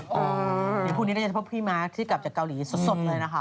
เดี๋ยวพรุ่งนี้เราจะพบพี่มาร์คที่กลับจากเกาหลีสดเลยนะคะ